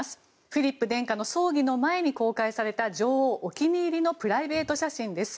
フィリップ殿下の葬儀の前に公開された女王お気に入りのプライベート写真です。